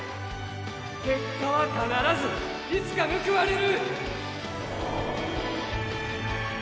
結果は必ずいつか報われる。